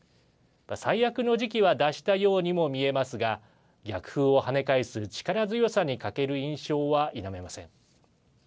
最悪の時期は脱したようにも見えますが逆風をはね返す力強さに欠ける印象は否めません。